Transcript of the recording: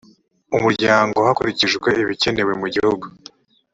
umuryango hakurikijwe ibikenewe mu gihugu